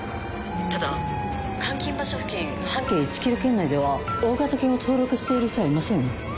ただ監禁場所付近半径１ｋｍ圏内では大型犬を登録している人はいません。